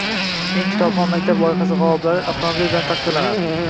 “Eng kitobxon maktab” loyihasi g‘oliblari avtomobil bilan taqdirlanadi